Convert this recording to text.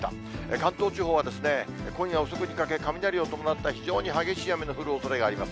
関東地方は今夜遅くにかけ、雷を伴った非常に激しい雨の降るおそれがあります。